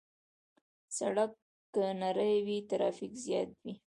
سړک که نری وي، ترافیک زیات وي.